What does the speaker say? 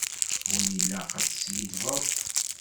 Ur ilaq ad teskiddbeḍ.